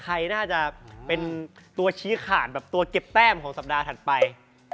ใครน่าจะเป็นตัวชี้ขาดแบบตัวเก็บแต้มของสัปดาห์ถัดไป